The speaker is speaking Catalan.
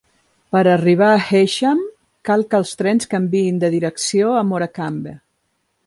Per arribar a Heysham, cal que els trens canviïn de direcció a Morecambe.